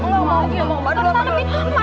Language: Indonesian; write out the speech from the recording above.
kenapa mbak meninggalkan saya seperti ini mbak